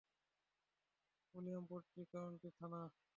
Usilampatti county থানা।